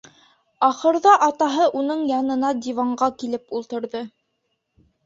Ахырҙа атаһы уның янына диванға килеп ултырҙы.